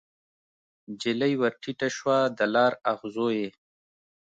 نجلۍ ورټیټه شوه د لار اغزو یې